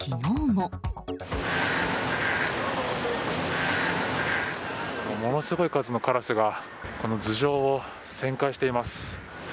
ものすごい数のカラスが頭上を旋回しています。